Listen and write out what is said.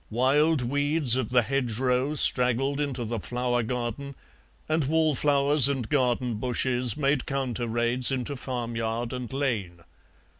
Wild weeds of the hedgerow straggled into the flower garden, and wallflowers and garden bushes made counter raids into farmyard and lane.